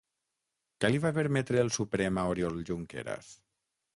Què li va permetre el Suprem a Oriol Junqueras?